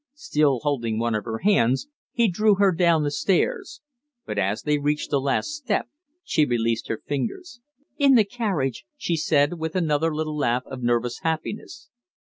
Still holding one of her hands, he drew her down the stairs; but as they reached the last step she released her fingers. "In the carriage!" she said, with another little laugh of nervous happiness.